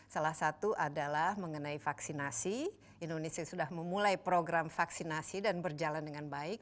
salah satu adalah mengenai vaksinasi indonesia sudah memulai program vaksinasi dan berjalan dengan baik